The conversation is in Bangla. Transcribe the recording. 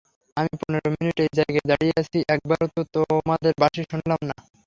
আমি পনেরো মিনিট এই জায়গায় দাঁড়িয়ে আছি, একবারও তো তোমাদের বাঁশি শুনলাম না।